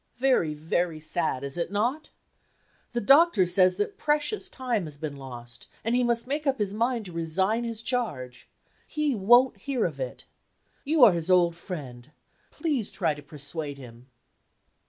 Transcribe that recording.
Very, very sad, is it not? The doctor says that precious time has been lost, and he must make up his mind to resign his charge. He won't hear of it. You are his old friend. Please try to persuade him."